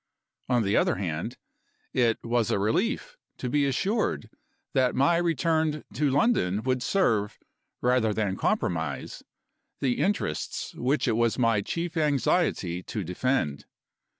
On the other hand, it was a relief to be assured that my return to London would serve, rather than compromise, the interests which it was my chief anxiety to defend.